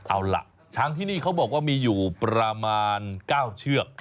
เอาล่ะช้างที่นี่เขาบอกว่ามีอยู่ประมาณ๙เชือก